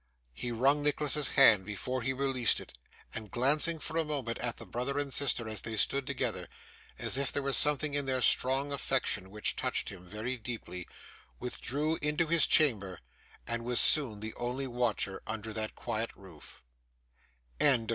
He wrung Nicholas's hand before he released it; and glancing, for a moment, at the brother and sister as they stood together, as if there were something in their strong affection which touched him very deeply, withdrew into his chamber, and was soon the only watcher under that quiet roof.